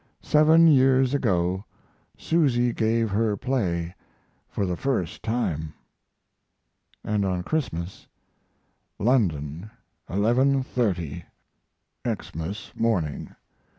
Seven years ago Susy gave her play for the first time." And on Christmas: London, 11.30 Xmas morning.